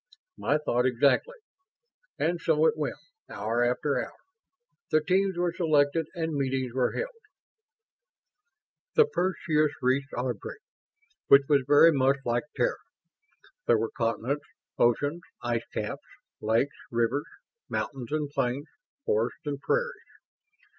"My thought exactly." And so it went, hour after hour. The teams were selected and meetings were held. The Perseus reached Ardry, which was very much like Terra. There were continents, oceans, ice caps, lakes, rivers, mountains and plains, forests and prairies.